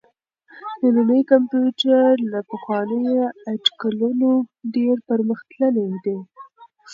نننی کمپيوټر له پخوانيو اټکلونو ډېر پرمختللی دی.